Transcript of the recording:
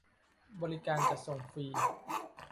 บริการจัดส่งฟรี